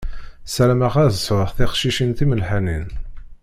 Sarameɣ ad sɛuɣ tiqcicin timelḥanin.